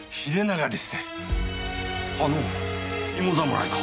あの芋侍か！